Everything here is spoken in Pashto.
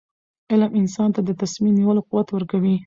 علم انسان ته د تصمیم نیولو قوت ورکوي.